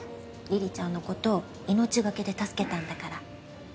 梨々ちゃんのこと命懸けで助けたんだから。